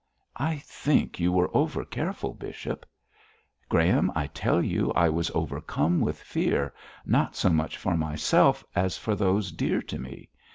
'I think you were over careful, bishop.' 'Graham, I tell you I was overcome with fear, not so much for myself as for those dear to me.